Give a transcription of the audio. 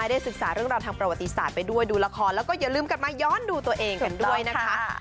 ได้ศึกษาเรื่องราวทางประวัติศาสตร์ไปด้วยดูละครแล้วก็อย่าลืมกลับมาย้อนดูตัวเองกันด้วยนะคะ